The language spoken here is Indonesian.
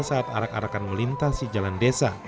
saat arak arakan melintasi jalan desa